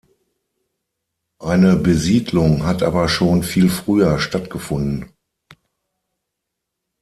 Eine Besiedlung hat aber schon viel früher stattgefunden.